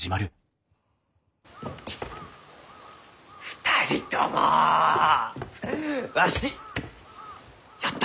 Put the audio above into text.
２人ともわしやったき。